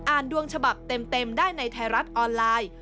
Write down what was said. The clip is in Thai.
ดวงฉบับเต็มได้ในไทยรัฐออนไลน์